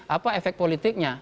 apa efek politiknya